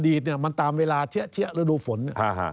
อดีตเนี่ยมันตามเวลาเที๊ยะฤดูฝนเนี่ย